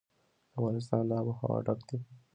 افغانستان له آب وهوا ډک دی.